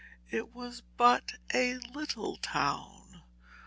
It was but a little town.